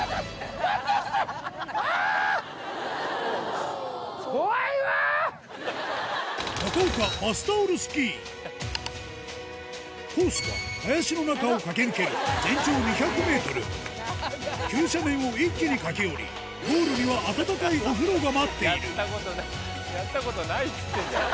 あぁ！コースは林の中を駆け抜ける急斜面を一気に駆け下りゴールには温かいお風呂が待っているやったことないっつってんじゃん。